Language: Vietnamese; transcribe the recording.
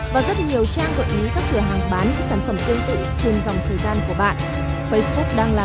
và rất nhiều trang gợi ý các cửa hàng bán sản phẩm tương tự trên dòng thời gian của bạn